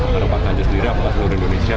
kalau pak ganjar sendiri apakah seluruh indonesia